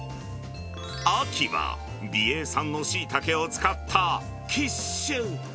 秋は美瑛産のシイタケを使ったキッシュ。